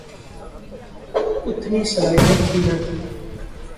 اتنی صلاحیت ہی نہ تھی۔